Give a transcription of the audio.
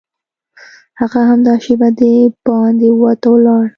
هغه همدا شېبه دباندې ووت او لاړ